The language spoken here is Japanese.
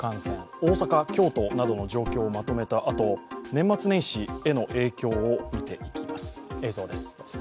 大阪、京都などの状況をまとめたあと年末年始への影響を見ていきます。